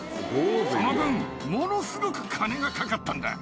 その分ものすごく金がかかったんだ。